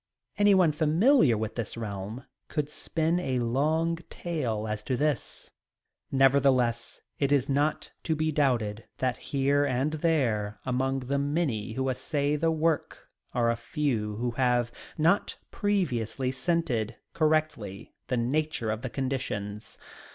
Anyone familiar with this realm could spin a long tale as to this. Nevertheless it is not to be doubted that here and there among the many who essay the work are a few who have not previously scented correctly the nature of the conditions.